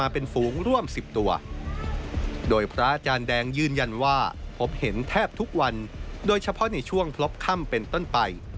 เพราะในช่วงพลบค่ำเป็นต้นไป